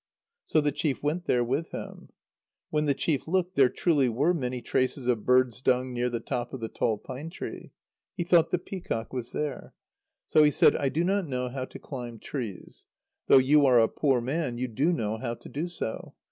So the chief went there with him. When the chief looked, there truly were many traces of birds' dung near the top of the tall pine tree. He thought the peacock was there. So he said: "I do not know how to climb trees. Though you are a poor man you do know how to do so.